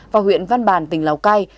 và huyện văn bàn tỉnh lào cai